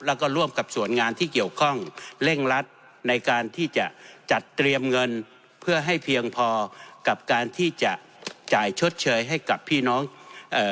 แล้วก็ร่วมกับส่วนงานที่เกี่ยวข้องเร่งรัดในการที่จะจัดเตรียมเงินเพื่อให้เพียงพอกับการที่จะจ่ายชดเชยให้กับพี่น้องเอ่อ